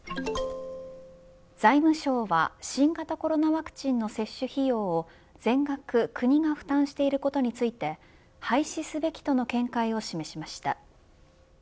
財務省は、新型コロナワクチンの接種費用を全額国が負担していることについて廃止すべきとの見解を示しました。